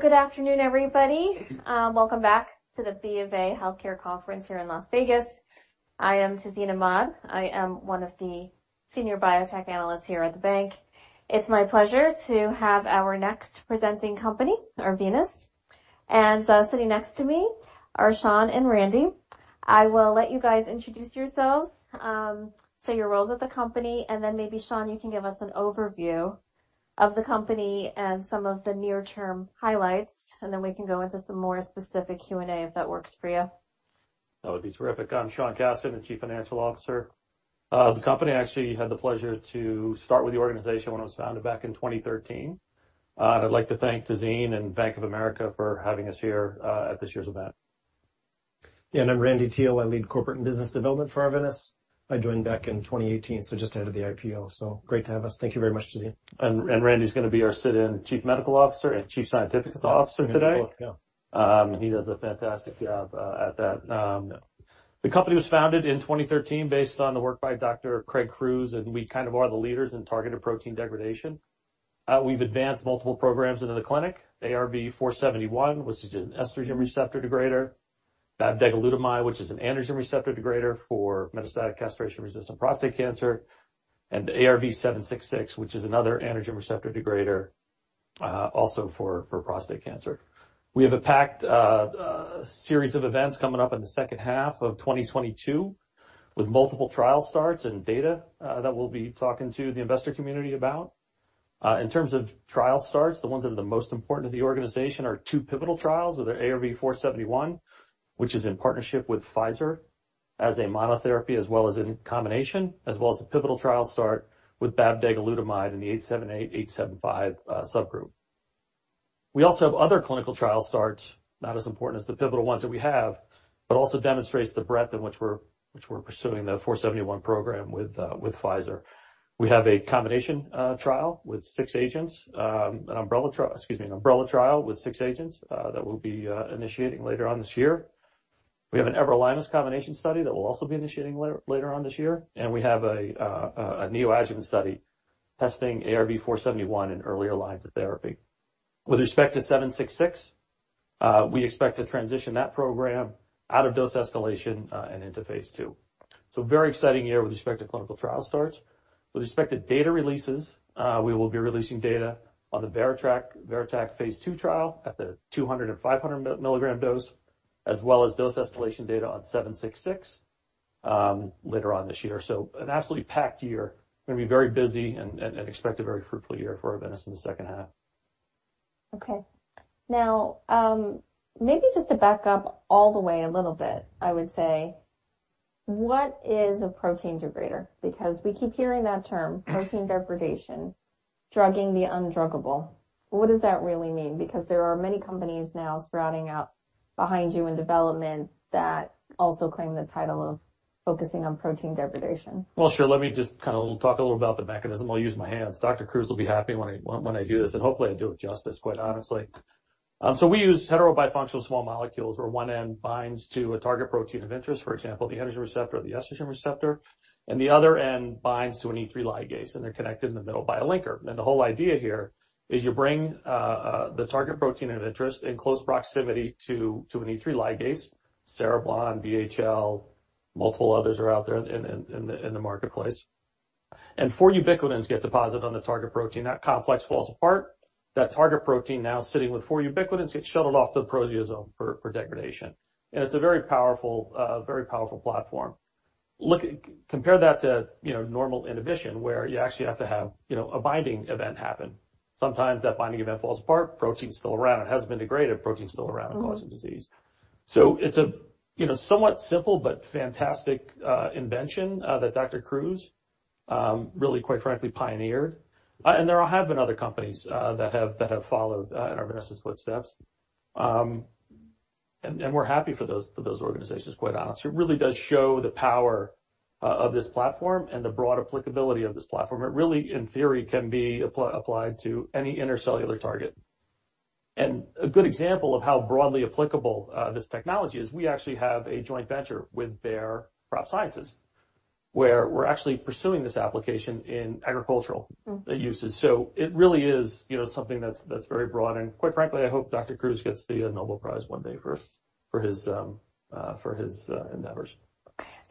Good afternoon, everybody. Welcome back to the BofA Healthcare Conference here in Las Vegas. I am Tazeen Ahmad. I am one of the senior biotech analysts here at the bank. It's my pleasure to have our next presenting company, Arvinas. Sitting next to me are Sean and Randy. I will let you guys introduce yourselves, say your roles at the company, and then maybe, Sean, you can give us an overview of the company and some of the near-term highlights, and then we can go into some more specific Q&A, if that works for you. That would be terrific. I'm Sean Cassidy, the Chief Financial Officer of the company. I actually had the pleasure to start with the organization when it was founded back in 2013. I'd like to thank Tazeen and Bank of America for having us here, at this year's event. I'm Randy Teel. I lead corporate and business development for Arvinas. I joined back in 2018, so just ahead of the IPO. Great to have us. Thank you very much, Tazeen. Randy's gonna be our interim Chief Medical Officer and Chief Scientific Officer today. Yeah. He does a fantastic job at that. The company was founded in 2013 based on the work by Dr. Craig Crews, and we kind of are the leaders in targeted protein degradation. We've advanced multiple programs into the clinic. ARV-471, which is an estrogen receptor degrader. Bavdegalutamide, which is an androgen receptor degrader for metastatic castration-resistant prostate cancer, and ARV-766, which is another androgen receptor degrader also for prostate cancer. We have a packed series of events coming up in the second half of 2022, with multiple trial starts and data that we'll be talking to the investor community about. In terms of trial starts, the ones that are the most important to the organization are two pivotal trials with the ARV-471, which is in partnership with Pfizer as a monotherapy as well as in combination, as well as a pivotal trial start with bavdegalutamide in the T878/H875 subgroup. We also have other clinical trial starts, not as important as the pivotal ones that we have, but also demonstrates the breadth in which we're pursuing the ARV-471 program with Pfizer. We have a combination trial with six agents, an umbrella trial with six agents, that we'll be initiating later on this year. We have an everolimus combination study that we'll also be initiating later on this year, and we have a neoadjuvant study testing ARV-471 in earlier lines of therapy. With respect to ARV-766, we expect to transition that program out of dose escalation and into phase II. Very exciting year with respect to clinical trial starts. With respect to data releases, we will be releasing data on the VERITAC phase II trial at the 200 and 500 milligram dose, as well as dose escalation data on ARV-766, later on this year. An absolutely packed year. Gonna be very busy and expect a very fruitful year for Arvinas in the second half. Okay. Now, maybe just to back up all the way a little bit, I would say, what is a protein degrader? Because we keep hearing that term, protein degradation, drugging the undruggable. What does that really mean? Because there are many companies now sprouting up behind you in development that also claim the title of focusing on protein degradation. Well, sure. Let me just kinda talk a little about the mechanism. I'll use my hands. Dr. Crews will be happy when I do this, and hopefully I do it justice, quite honestly. We use heterobifunctional small molecules, where one end binds to a target protein of interest, for example, the androgen receptor or the estrogen receptor, and the other end binds to an E3 ligase, and they're connected in the middle by a linker. The whole idea here is you bring the target protein of interest in close proximity to an E3 ligase, cereblon, VHL, multiple others are out there in the marketplace. Four ubiquitins get deposited on the target protein. That complex falls apart. That target protein now sitting with four ubiquitins gets shuttled off to the proteasome for degradation. It's a very powerful platform. Compare that to, you know, normal inhibition, where you actually have to have, you know, a binding event happen. Sometimes that binding event falls apart, protein's still around. It hasn't been degraded, protein's still around and causing disease. It's a you know, somewhat simple but fantastic invention that Dr. Crews really, quite frankly, pioneered. There have been other companies that have followed in Arvinas' footsteps. We're happy for those organizations, quite honest. It really does show the power of this platform and the broad applicability of this platform. It really, in theory, can be applied to any intracellular target. A good example of how broadly applicable this technology is, we actually have a joint venture with Bayer Crop Science, where we're actually pursuing this application in agricultural- Mm. -uses. It really is, you know, something that's very broad. Quite frankly, I hope Dr. Crews gets the Nobel Prize one day for his endeavors.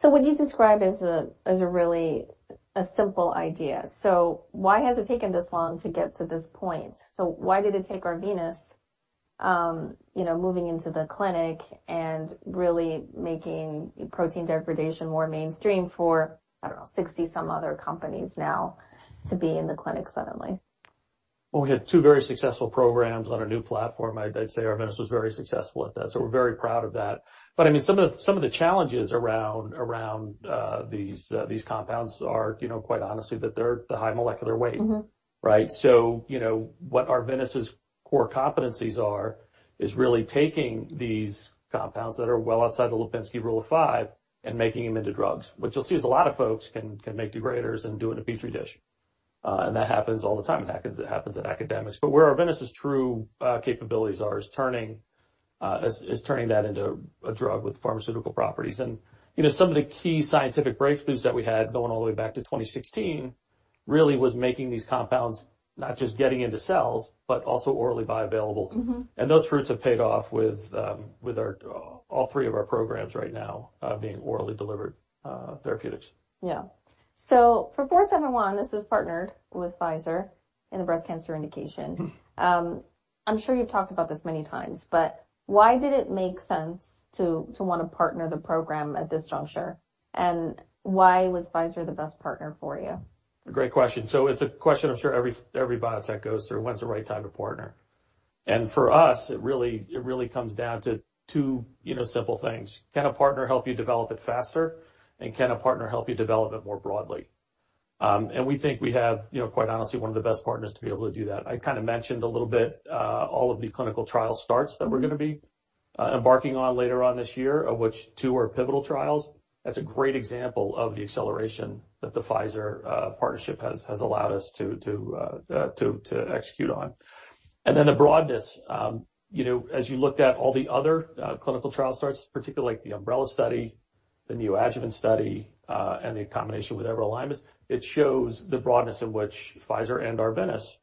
What you describe is a really simple idea. Why has it taken this long to get to this point? Why did it take Arvinas moving into the clinic and really making protein degradation more mainstream for, I don't know, 60-some other companies now to be in the clinic suddenly? Well, we had two very successful programs on our new platform. I'd say Arvinas was very successful at that, so we're very proud of that. I mean, some of the challenges around these compounds are, you know, quite honestly that they're the high molecular weight. Mm-hmm. Right? You know, what Arvinas' core competencies are is really taking these compounds that are well outside the Lipinski's rule of five and making them into drugs. What you'll see is a lot of folks can make degraders and do it in a Petri dish. That happens all the time, it happens at academics. Where Arvinas' true capabilities are is turning that into a drug with pharmaceutical properties. You know, some of the key scientific breakthroughs that we had going all the way back to 2016 really was making these compounds, not just getting into cells, but also orally bioavailable. Mm-hmm. Those fruits have paid off with all three of our programs right now being orally delivered therapeutics. Yeah. For ARV-471, this is partnered with Pfizer in the breast cancer indication. Mm-hmm. I'm sure you've talked about this many times, but why did it make sense to wanna partner the program at this juncture? And why was Pfizer the best partner for you? Great question. It's a question I'm sure every biotech goes through, when's the right time to partner? For us, it really comes down to two, you know, simple things. Can a partner help you develop it faster? Can a partner help you develop it more broadly? We think we have, you know, quite honestly, one of the best partners to be able to do that. I kinda mentioned a little bit, all of the clinical trial starts that we're gonna be embarking on later on this year, of which two are pivotal trials. That's a great example of the acceleration that the Pfizer partnership has allowed us to execute on. The broadness, you know, as you looked at all the other clinical trial starts, particularly like the umbrella study, the neoadjuvant study, and the combination with everolimus, it shows the broadness in which Pfizer and Arvinas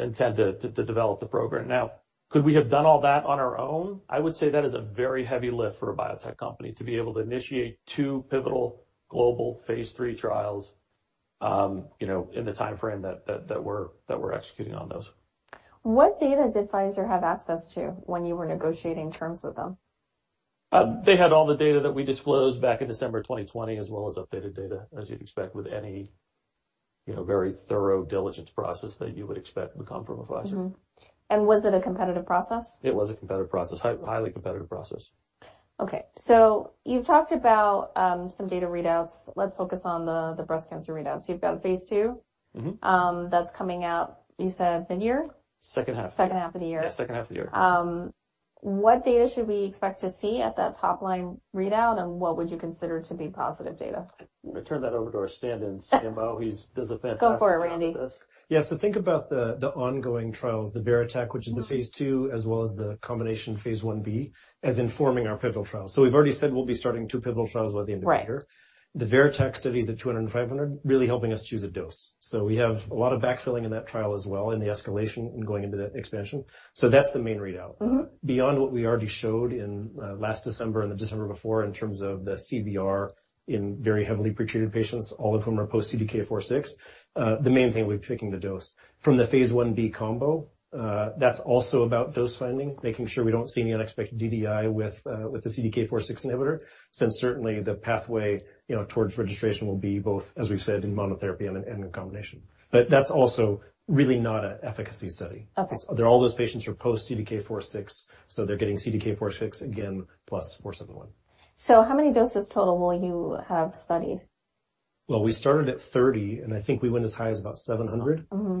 intend to develop the program. Now, could we have done all that on our own? I would say that is a very heavy lift for a biotech company to be able to initiate two pivotal global phase III trials, you know, in the timeframe that we're executing on those. What data did Pfizer have access to when you were negotiating terms with them? They had all the data that we disclosed back in December 2020, as well as updated data, as you'd expect with any, you know, very thorough diligence process that you would expect to come from Pfizer. Was it a competitive process? It was a competitive process. Highly competitive process. Okay. You've talked about, some data readouts. Let's focus on the breast cancer readouts. You've got phase II. Mm-hmm. That's coming out, you said midyear? Second half. Second half of the year. Yeah, second half of the year. What data should we expect to see at that top line readout, and what would you consider to be positive data? I turn that over to our stand-in CMO. He does a fantastic job with this. Go for it, Randy. Think about the ongoing trials, the VERITAC, which is the phase II, as well as the combination phase I-B, as informing our pivotal trial. We've already said we'll be starting two pivotal trials by the end of the year. Right. The VERITAC study is at 200 and 500, really helping us choose a dose. We have a lot of backfilling in that trial as well in the escalation and going into the expansion. That's the main readout. Mm-hmm. Beyond what we already showed in last December and the December before in terms of the CBR in very heavily pretreated patients, all of whom are post-CDK4/6, the main thing will be picking the dose. From the phase I-B combo, that's also about dose finding, making sure we don't see any unexpected DDI with the CDK4/6 inhibitor, since certainly the pathway, you know, towards registration will be both, as we've said, in monotherapy and in combination. But that's also really not an efficacy study. Okay. All those patients are post-CDK 4/6, so they're getting CDK 4/6 again plus ARV-471. How many doses total will you have studied? Well, we started at 30, and I think we went as high as about 700. Mm-hmm.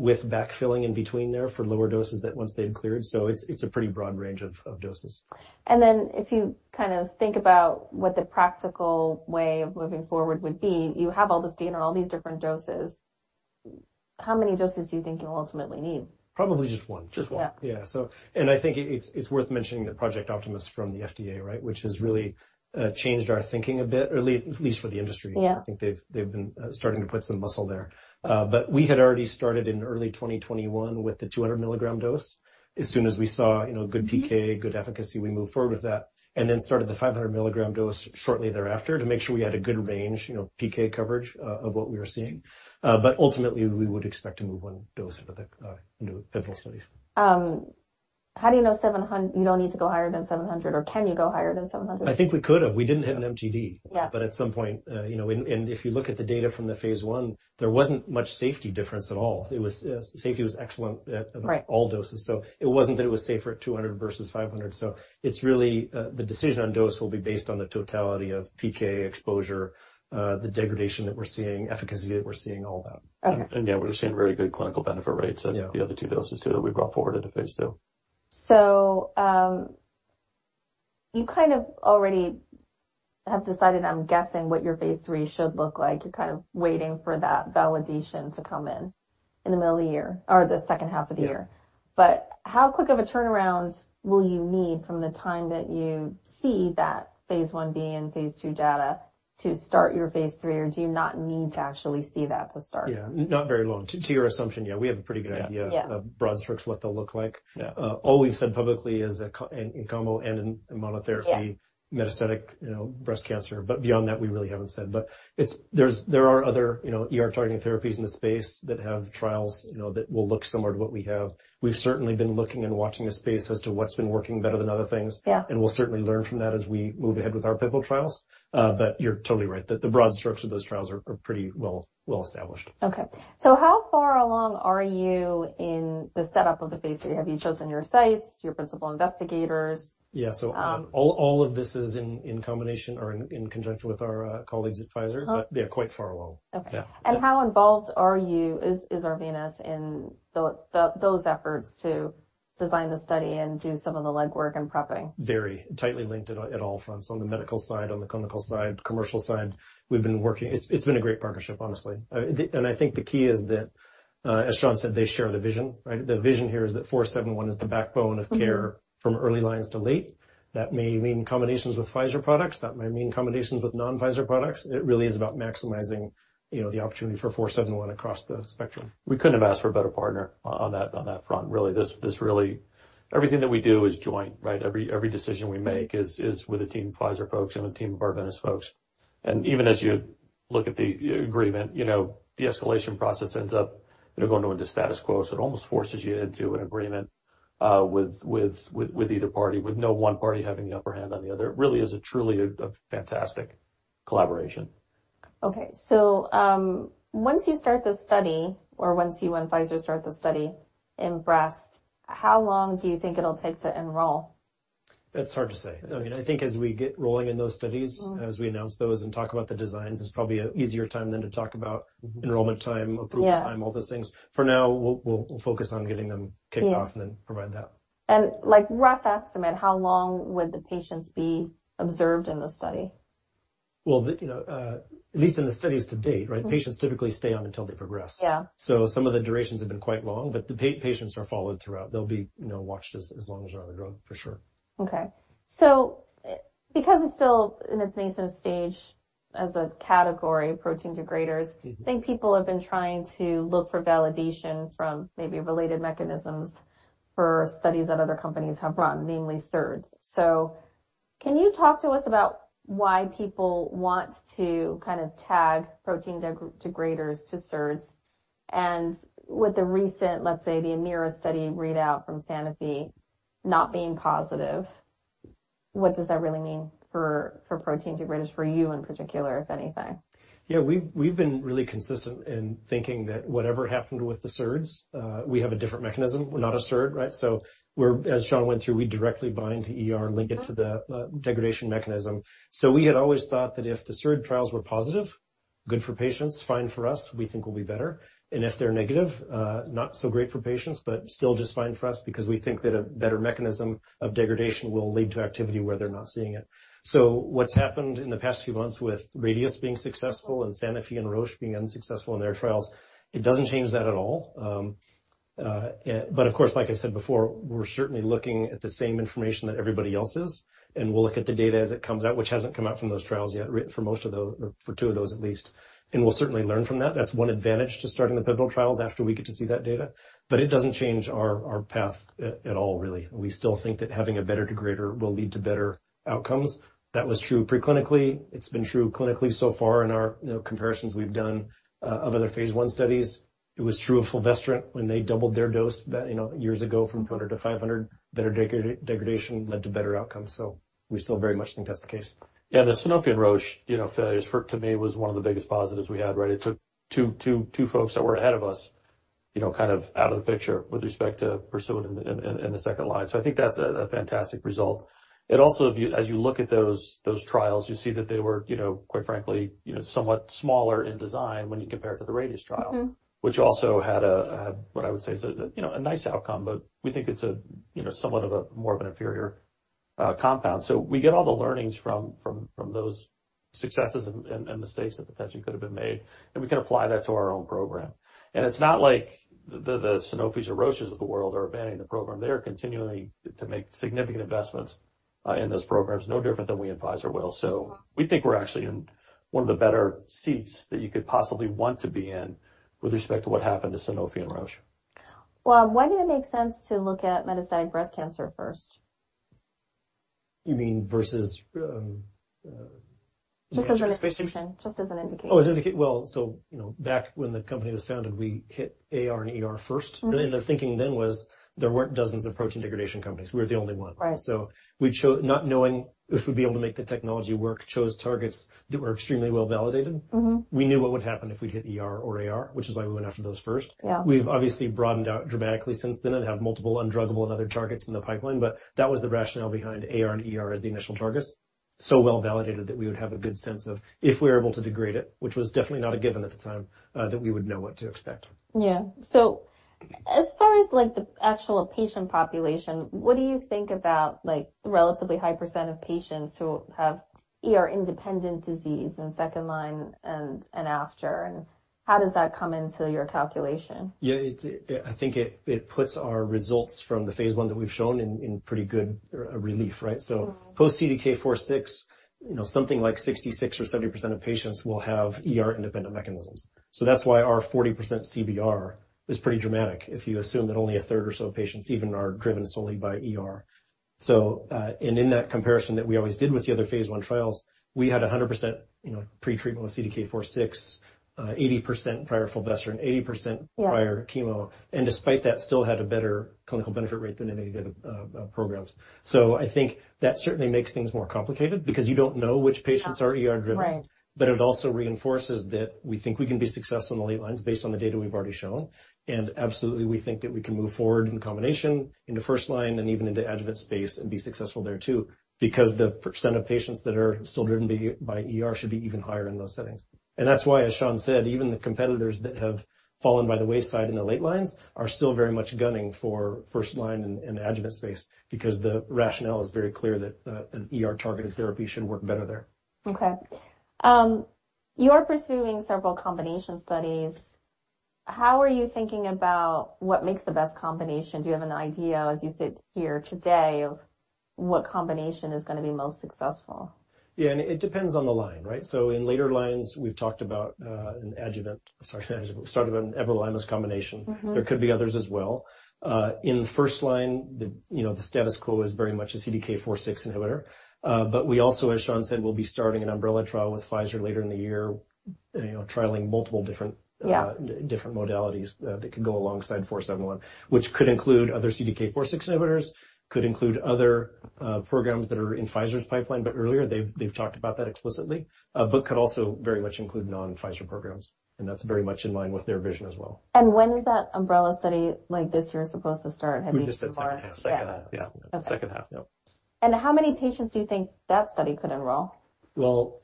With backfilling in between there for lower doses that once they had cleared. It's a pretty broad range of doses. If you kind of think about what the practical way of moving forward would be, you have all this data on all these different doses. How many doses do you think you'll ultimately need? Probably just one. Just one. Yeah. I think it's worth mentioning that Project Optimus from the FDA, right? Which has really changed our thinking a bit, or at least for the industry. Yeah. I think they've been starting to put some muscle there. We had already started in early 2021 with the 200 milligram dose. As soon as we saw, you know, good PK, good efficacy, we moved forward with that. Then started the 500 milligram dose shortly thereafter to make sure we had a good range, you know, PK coverage, of what we were seeing. Ultimately, we would expect to move one dose into pivotal studies. How do you know you don't need to go higher than 700, or can you go higher than 700? I think we could have. We didn't hit an MTD. Yeah. At some point, you know, and if you look at the data from the phase I, there wasn't much safety difference at all. Safety was excellent at all doses. Right. It wasn't that it was safer at 200 versus 500. It's really the decision on dose will be based on the totality of PK exposure, the degradation that we're seeing, efficacy that we're seeing, all that. Okay. We're seeing very good clinical benefit rates at- Yeah the other two doses too, that we brought forward into phase II. You kind of already have decided, I'm guessing, what your phase III should look like. You're kind of waiting for that validation to come in the middle of the year or the second half of the year. Yeah. How quick of a turnaround will you need from the time that you see that phase I-B and phase II data to start your phase III? Or do you not need to actually see that to start? Yeah. Not very long. To your assumption, yeah, we have a pretty good idea. Yeah. Yeah of broad strokes, what they'll look like. Yeah. All we've said publicly is in combo and in monotherapy. Yeah Metastatic, you know, breast cancer. Beyond that, we really haven't said. There are other, you know, ER-targeting therapies in the space that have trials, you know, that will look similar to what we have. We've certainly been looking and watching the space as to what's been working better than other things. Yeah. We'll certainly learn from that as we move ahead with our pivotal trials. You're totally right. The broad strokes of those trials are pretty well-established. Okay. How far along are you in the setup of the phase III? Have you chosen your sites, your principal investigators? Yeah. All of this is in combination or in conjunction with our colleagues at Pfizer. Uh-huh. Yeah, quite far along. Okay. Yeah. How involved is Arvinas in those efforts to design the study and do some of the legwork and prepping? Very tightly linked at all fronts. On the medical side, on the clinical side, commercial side, we've been working. It's been a great partnership, honestly. I think the key is that, as Sean said, they share the vision, right? The vision here is that four seven one is the backbone of care from early lines to late. That may mean combinations with Pfizer products. That might mean combinations with non-Pfizer products. It really is about maximizing, you know, the opportunity for four seven one across the spectrum. We couldn't have asked for a better partner on that front, really. This really. Everything that we do is joint, right? Every decision we make is with a team of Pfizer folks and a team of Arvinas folks. Even as you look at the agreement, you know, the escalation process ends up, you know, going into status quo, so it almost forces you into an agreement with either party, with no one party having the upper hand on the other. It really is a truly fantastic collaboration. Okay. Once you start the study or once you and Pfizer start the study in breast, how long do you think it'll take to enroll? It's hard to say. I mean, I think as we get rolling in those studies. Mm. As we announce those and talk about the designs, it's probably an easier time than to talk about enrollment time, approval time. Yeah. all those things. For now, we'll focus on getting them kicked off. Yeah. provide that. Like rough estimate, how long would the patients be observed in the study? Well, you know, at least in the studies to date, right? Mm. Patients typically stay on until they progress. Yeah. Some of the durations have been quite long, but the patients are followed throughout. They'll be, you know, watched as long as they're on the drug, for sure. Because it's still in its nascent stage as a category, protein degraders. Mm-hmm. I think people have been trying to look for validation from maybe related mechanisms for studies that other companies have run, namely SERDs. Can you talk to us about why people want to kind of tag protein degraders to SERDs? With the recent, let's say, the AMEERA study readout from Sanofi not being positive, what does that really mean for protein degraders, for you in particular, if anything? Yeah. We've been really consistent in thinking that whatever happened with the SERDs, we have a different mechanism. We're not a SERD, right? As Sean went through, we directly bind to ER and link it to the degradation mechanism. We had always thought that if the SERD trials were positive, good for patients, fine for us, we think we'll be better. If they're negative, not so great for patients, but still just fine for us because we think that a better mechanism of degradation will lead to activity where they're not seeing it. What's happened in the past few months with Radius being successful and Sanofi and Roche being unsuccessful in their trials, it doesn't change that at all. Of course, like I said before, we're certainly looking at the same information that everybody else is, and we'll look at the data as it comes out, which hasn't come out from those trials yet, or for two of those at least. We'll certainly learn from that. That's one advantage to starting the pivotal trials after we get to see that data. It doesn't change our path at all, really. We still think that having a better degrader will lead to better outcomes. That was true pre-clinically. It's been true clinically so far in our, you know, comparisons we've done, of other phase I studies. It was true of fulvestrant when they doubled their dose, you know, years ago from 200-500. Better degradation led to better outcomes. We still very much think that's the case. Yeah. The Sanofi and Roche, you know, failures, to me was one of the biggest positives we had, right? It took two folks that were ahead of us, you know, kind of out of the picture with respect to pursuing in the second line. I think that's a fantastic result. It also, as you look at those trials, you see that they were, you know, quite frankly, you know, somewhat smaller in design when you compare it to the Radius Health trial. Mm-hmm. Which also had what I would say is, you know, a nice outcome, but we think it's, you know, somewhat more of an inferior compound. We get all the learnings from those successes and mistakes that potentially could have been made, and we can apply that to our own program. It's not like the Sanofi or Roche of the world are abandoning the program. They are continuing to make significant investments in those programs, no different than we and Pfizer will. Mm-hmm. We think we're actually in one of the better seats that you could possibly want to be in with respect to what happened to Sanofi and Roche. Well, why did it make sense to look at metastatic breast cancer first? You mean versus. Just as an indication. Well, you know, back when the company was founded, we hit AR and ER first. Mm-hmm. The thinking then was there weren't dozens of protein degradation companies. We were the only one. Right. We, not knowing if we'd be able to make the technology work, chose targets that were extremely well-validated. Mm-hmm. We knew what would happen if we'd hit ER or AR, which is why we went after those first. Yeah. We've obviously broadened out dramatically since then and have multiple undruggable and other targets in the pipeline, but that was the rationale behind AR and ER as the initial targets. Well-validated that we would have a good sense of if we're able to degrade it, which was definitely not a given at the time, that we would know what to expect. Yeah. As far as, like, the actual patient population, what do you think about, like, the relatively high percent of patients who have ER-independent disease in second line and after, and how does that come into your calculation? Yeah. I think it puts our results from the phase I that we've shown in pretty good relief, right? Mm-hmm. Post-CDK4/6, you know, something like 66% or 70% of patients will have ER-independent mechanisms. That's why our 40% CBR is pretty dramatic if you assume that only a third or so of patients even are driven solely by ER. In that comparison that we always did with the other phase I trials, we had 100%, you know, pre-treatment with CDK4/6, 80% prior fulvestrant, 80% prior chemo. Yeah. Despite that, still had a better clinical benefit rate than any of the programs. I think that certainly makes things more complicated because you don't know which patients are ER-driven. Right. It also reinforces that we think we can be successful in the late lines based on the data we've already shown. Absolutely, we think that we can move forward in combination in the first line and even into adjuvant space and be successful there too, because the percent of patients that are still driven by ER should be even higher in those settings. That's why, as Sean said, even the competitors that have fallen by the wayside in the late lines are still very much gunning for first line and adjuvant space, because the rationale is very clear that an ER-targeted therapy should work better there. Okay. You're pursuing several combination studies. How are you thinking about what makes the best combination? Do you have an idea as you sit here today of what combination is gonna be most successful? It depends on the line, right? In later lines, we've talked about adjuvant start up an everolimus combination. Mm-hmm. There could be others as well. In the first line, you know, the status quo is very much a CDK4/6 inhibitor. We also, as Sean said, will be starting an umbrella trial with Pfizer later in the year, you know, trialing multiple different Yeah Different modalities that could go alongside 471, which could include other CDK4/6 inhibitors, could include other programs that are in Pfizer's pipeline. Earlier, they've talked about that explicitly. Could also very much include non-Pfizer programs, and that's very much in line with their vision as well. When is that umbrella study, like, this year, supposed to start? Have you said so far? We just said second half. Yeah. Yeah. Okay. Second half. Yep. How many patients do you think that study could enroll? Well,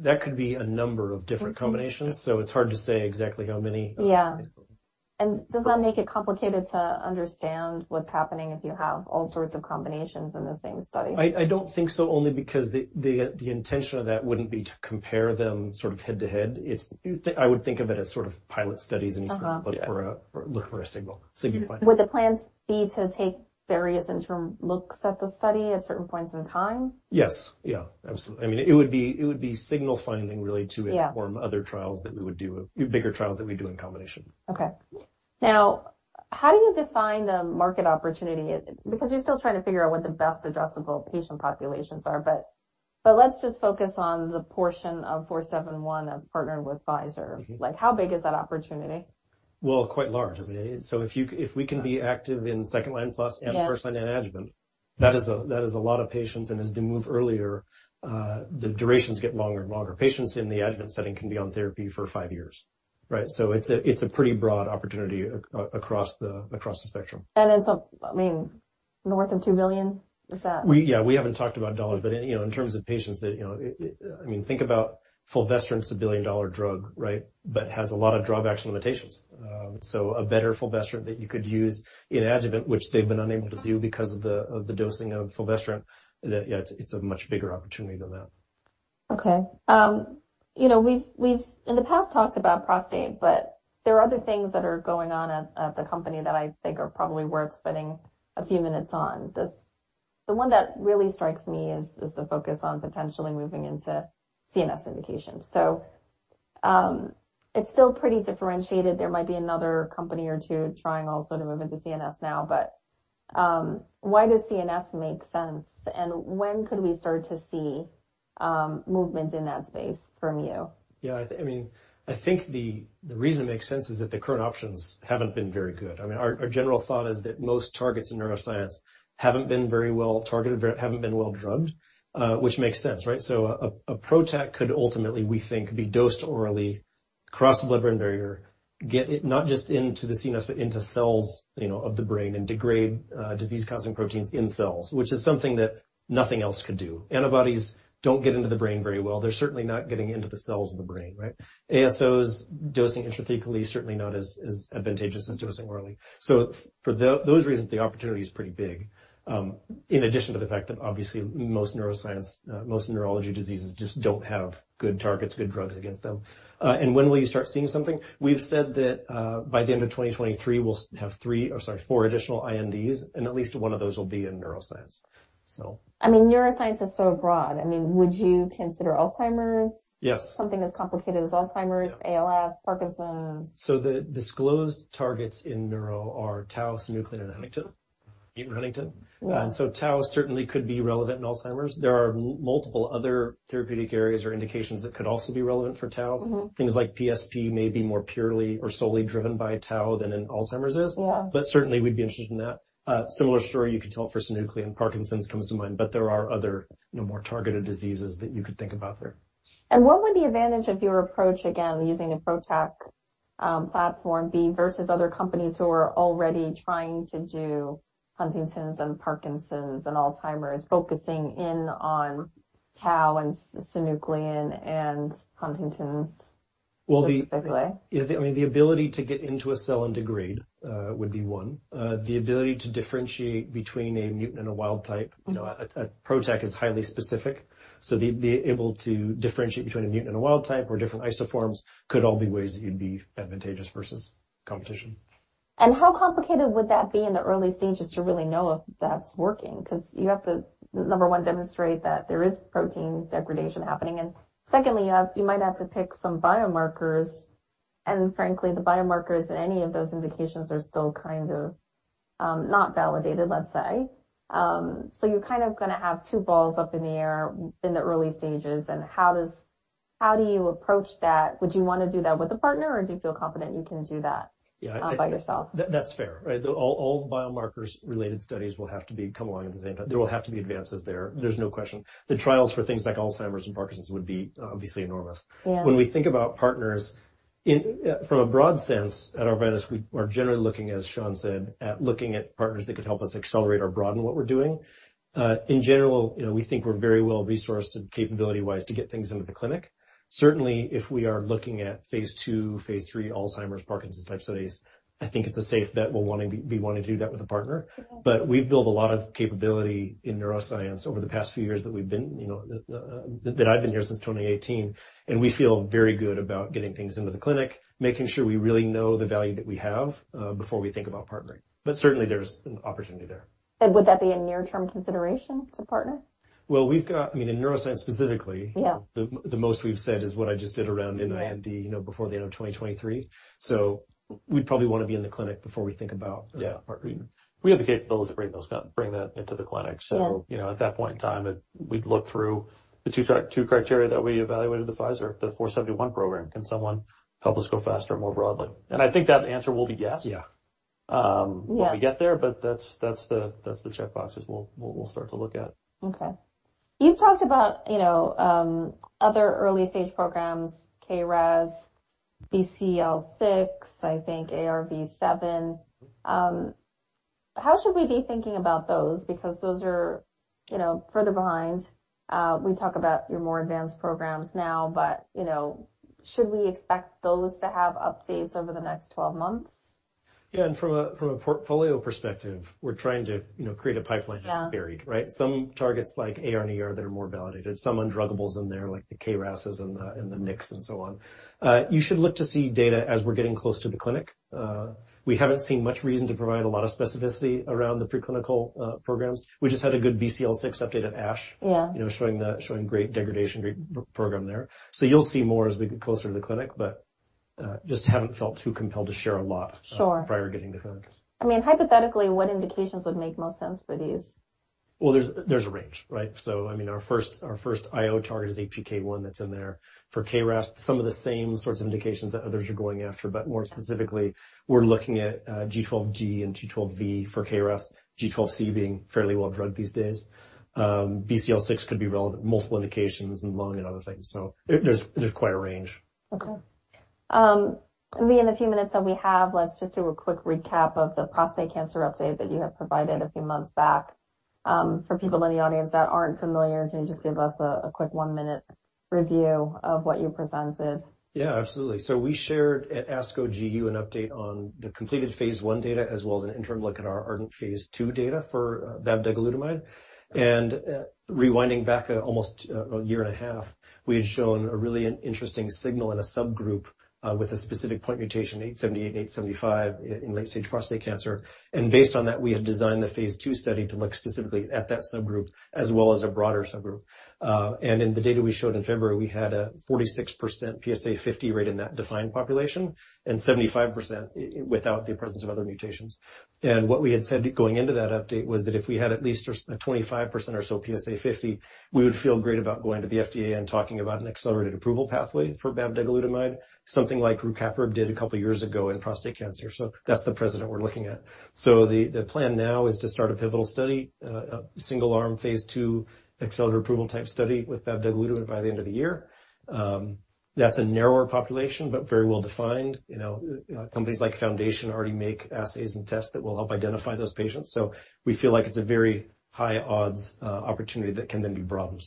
that could be a number of different combinations. Mm-hmm It's hard to say exactly how many. Yeah. Does that make it complicated to understand what's happening if you have all sorts of combinations in the same study? I don't think so, only because the intention of that wouldn't be to compare them sort of head to head. I would think of it as sort of pilot studies. Uh-huh You look for a signal finding. Would the plans be to take various interim looks at the study at certain points in time? Yes. Yeah, absolutely. I mean, it would be signal finding really. Yeah Inform other trials that we would do, bigger trials that we do in combination. Okay. Now, how do you define the market opportunity? Because you're still trying to figure out what the best addressable patient populations are, but let's just focus on the portion of ARV-471 that's partnered with Pfizer. Mm-hmm. Like, how big is that opportunity? Well, quite large. I mean, if we can be active in second-line plus. Yeah First-line adjuvant, that is a lot of patients. As they move earlier, the durations get longer and longer. Patients in the adjuvant setting can be on therapy for five years, right? It's a pretty broad opportunity across the spectrum. I mean, north of $2 billion, is that? Yeah, we haven't talked about dollars, but, you know, in terms of patients that, you know. I mean, think about fulvestrant's a billion-dollar drug, right? But has a lot of drawbacks and limitations. A better fulvestrant that you could use in adjuvant, which they've been unable to do because of the dosing of fulvestrant, yeah, it's a much bigger opportunity than that. Okay. You know, we've in the past talked about prostate, but there are other things that are going on at the company that I think are probably worth spending a few minutes on. The one that really strikes me is the focus on potentially moving into CNS indications. It's still pretty differentiated. There might be another company or two trying also to move into CNS now, but why does CNS make sense, and when could we start to see movement in that space from you? Yeah. I mean, I think the reason it makes sense is that the current options haven't been very good. I mean, our general thought is that most targets in neuroscience haven't been very well targeted, haven't been well drugged, which makes sense, right? A PROTAC could ultimately, we think, be dosed orally, cross the blood-brain barrier, get it not just into the CNS, but into cells, you know, of the brain and degrade disease-causing proteins in cells, which is something that nothing else could do. Antibodies don't get into the brain very well. They're certainly not getting into the cells of the brain, right? ASOs dosing intrathecally, certainly not as advantageous as dosing orally. For those reasons, the opportunity is pretty big, in addition to the fact that obviously most neuroscience, most neurology diseases just don't have good targets, good drugs against them. When will you start seeing something? We've said that, by the end of 2023, we'll have four additional INDs, and at least one of those will be in neuroscience. I mean, neuroscience is so broad. I mean, would you consider Alzheimer's? Yes. Something as complicated as Alzheimer's. Yeah. ALS, Parkinson's. The disclosed targets in neuro are tau, α-synuclein, and huntingtin, mutant huntingtin. Wow. Tau certainly could be relevant in Alzheimer's. There are multiple other therapeutic areas or indications that could also be relevant for tau. Mm-hmm. Things like PSP may be more purely or solely driven by tau than an Alzheimer's is. Yeah. Certainly we'd be interested in that. Similar story you could tell for α-synuclein. Parkinson's comes to mind, but there are other, you know, more targeted diseases that you could think about there. What would the advantage of your approach, again, using a PROTAC platform be versus other companies who are already trying to do huntingtin's and Parkinson's and Alzheimer's, focusing in on tau and α-synuclein and huntingtin's specifically? Well, I mean, the ability to get into a cell and degrade would be one. The ability to differentiate between a mutant and a wild type. Mm-hmm. You know, PROTAC is highly specific, so be able to differentiate between a mutant and a wild type or different isoforms could all be ways that you'd be advantageous versus competition. How complicated would that be in the early stages to really know if that's working? 'Cause you have to, number one, demonstrate that there is protein degradation happening, and secondly, you might have to pick some biomarkers, and frankly, the biomarkers in any of those indications are still kind of not validated, let's say. So you're kind of gonna have two balls up in the air in the early stages, and how do you approach that? Would you wanna do that with a partner, or do you feel confident you can do that? Yeah by yourself? That's fair, right? All biomarkers related studies will have to come along at the same time. There will have to be advances there. There's no question. The trials for things like Alzheimer's and Parkinson's would be obviously enormous. Yeah. When we think about partners, from a broad sense at Arvinas, we are generally looking, as Sean said, at partners that could help us accelerate or broaden what we're doing. In general, you know, we think we're very well-resourced capability-wise to get things into the clinic. Certainly, if we are looking at phase II, phase III Alzheimer's, Parkinson's type studies, I think it's a safe bet we'll wanna do that with a partner. We've built a lot of capability in neuroscience over the past few years that we've been, you know, that I've been here since 2018, and we feel very good about getting things into the clinic, making sure we really know the value that we have, before we think about partnering. Certainly, there's an opportunity there. Would that be a near-term consideration to partner? I mean, in neuroscience specifically. Yeah The most we've said is what I just did around IND. Yeah... you know, before the end of 2023. We'd probably wanna be in the clinic before we think about, yeah, partnering. We have the capability to bring those up, bring that into the clinic. Yeah. You know, at that point in time, we'd look through the two criteria that we evaluated with Pfizer, the ARV-471 program. Can someone help us go faster more broadly? I think that answer will be yes. Yeah. Yeah. When we get there, but that's the checkboxes we'll start to look at. Okay. You've talked about, you know, other early-stage programs, KRAS, BCL6, I think AR-V7. How should we be thinking about those? Because those are, you know, further behind. We talk about your more advanced programs now, but, you know, should we expect those to have updates over the next 12 months? Yeah. From a portfolio perspective, we're trying to, you know, create a pipeline of varied, right? Yeah. Some targets like AR and ER are more validated. Some undruggables in there, like the KRAS and the MYC and so on. You should look to see data as we're getting close to the clinic. We haven't seen much reason to provide a lot of specificity around the preclinical programs. We just had a good BCL6 update at ASH. Yeah you know, showing great degradation, great program there. You'll see more as we get closer to the clinic, but just haven't felt too compelled to share a lot. Sure prior to getting to the clinics. I mean, hypothetically, what indications would make most sense for these? Well, there's a range, right? I mean, our first IO target is HPK1 that's in there. For KRAS, some of the same sorts of indications that others are going after, but more specifically, we're looking at G12D and G12V for KRAS, G12C being fairly well druggable these days. BCL6 could be relevant, multiple indications in lung and other things. There's quite a range. Okay. Maybe in the few minutes that we have, let's just do a quick recap of the prostate cancer update that you have provided a few months back. For people in the audience that aren't familiar, can you just give us a quick one-minute review of what you presented? Yeah, absolutely. We shared at ASCO GU an update on the completed phase I data, as well as an interim look at our ARDENT phase II data for bavdegalutamide. Rewinding back almost a year and a half, we had shown a really interesting signal in a subgroup with a specific point mutation, T878, H875 in late-stage prostate cancer. Based on that, we have designed the phase II study to look specifically at that subgroup, as well as a broader subgroup. In the data we showed in February, we had a 46% PSA50 rate in that defined population and 75% without the presence of other mutations. What we had said going into that update was that if we had at least a 25% or so PSA50, we would feel great about going to the FDA and talking about an accelerated approval pathway for bavdegalutamide, something like rucaparib did a couple of years ago in prostate cancer. That's the precedent we're looking at. The plan now is to start a pivotal study, a single-arm, phase II accelerated approval type study with bavdegalutamide by the end of the year. That's a narrower population, but very well defined. You know, companies like Foundation Medicine already make assays and tests that will help identify those patients. We feel like it's a very high odds opportunity that can then be broadened.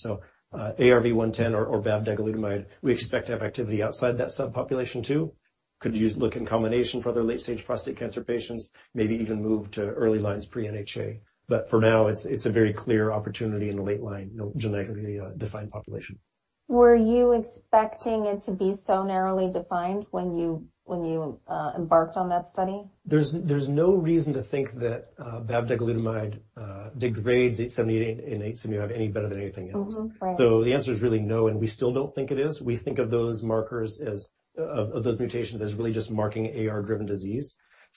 ARV-110 or bavdegalutamide, we expect to have activity outside that subpopulation too. Look in combination for other late-stage prostate cancer patients, maybe even move to early lines pre-NHA. For now, it's a very clear opportunity in a late line, you know, genetically defined population. Were you expecting it to be so narrowly defined when you embarked on that study? There's no reason to think that bavdegalutamide degrades T878 and H875 any better than anything else. Mm-hmm. Right. The answer is really no, and we still don't think it is. We think of those markers as of those mutations as really just marking AR-driven disease.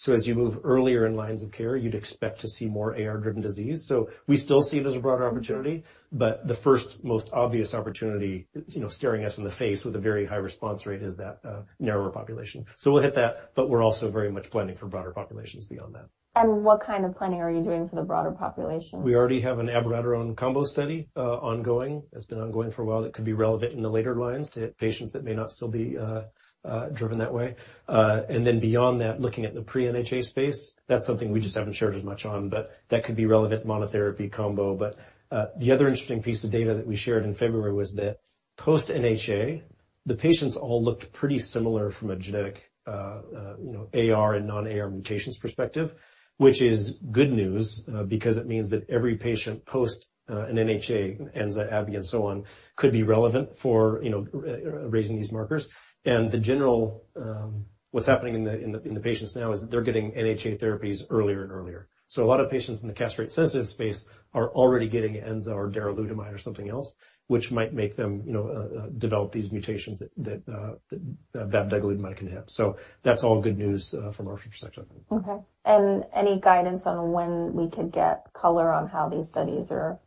As you move earlier in lines of care, you'd expect to see more AR-driven disease. We still see it as a broader opportunity. Mm-hmm. The first, most obvious opportunity, you know, staring us in the face with a very high response rate is that narrower population. We'll hit that, but we're also very much planning for broader populations beyond that. What kind of planning are you doing for the broader population? We already have an abiraterone combo study ongoing. It's been ongoing for a while. It could be relevant in the later lines to patients that may not still be driven that way. Beyond that, looking at the pre-NHA space, that's something we just haven't shared as much on, but that could be relevant monotherapy combo. The other interesting piece of data that we shared in February was that post-NHA, the patients all looked pretty similar from a genetic AR and non-AR mutations perspective, which is good news because it means that every patient post an NHA, enzalutamide, Abi, and so on, could be relevant for raising these markers. In general, what's happening in the patients now is they're getting NHA therapies earlier and earlier. A lot of patients in the castrate sensitive space are already getting enzalutamide or darolutamide or something else, which might make them, you know, develop these mutations that bavdegalutamide can hit. That's all good news from our perspective. Okay. Any guidance on when we could get color on how these studies are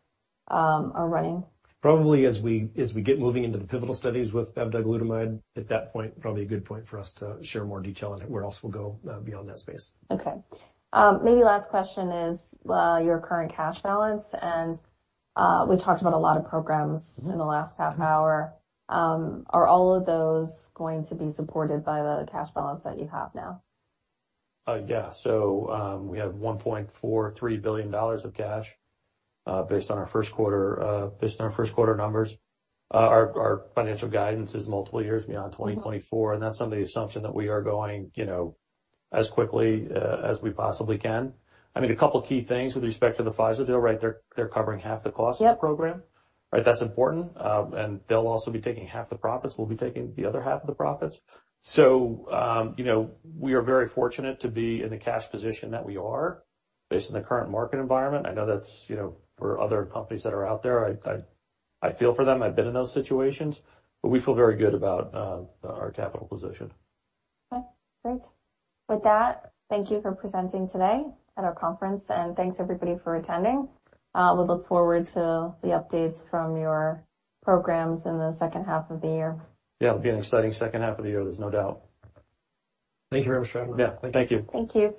running? Probably as we get moving into the pivotal studies with bavdegalutamide, at that point, probably a good point for us to share more detail on where else we'll go beyond that space. Okay. Maybe last question is your current cash balance, and we talked about a lot of programs in the last half hour. Are all of those going to be supported by the cash balance that you have now? Yeah. We have $1.43 billion of cash based on our first quarter numbers. Our financial guidance is multiple years beyond 2024, and that's under the assumption that we are going, you know, as quickly as we possibly can. I mean, a couple of key things with respect to the Pfizer deal, right? They're covering half the cost of the program. Yep. Right? That's important. They'll also be taking half the profits. We'll be taking the other half of the profits. You know, we are very fortunate to be in the cash position that we are based on the current market environment. I know that's, you know, for other companies that are out there, I feel for them. I've been in those situations, but we feel very good about our capital position. Okay, great. With that, thank you for presenting today at our conference, and thanks everybody for attending. We look forward to the updates from your programs in the second half of the year. Yeah. It'll be an exciting second half of the year, there's no doubt. Thank you very much for having me. Yeah. Thank you. Thank you.